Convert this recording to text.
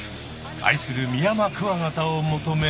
愛するミヤマクワガタを求め。